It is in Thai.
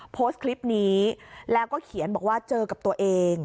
โพสต์คลิปนี้แล้วก็เขียนบอกว่าเจอกับตัวเอง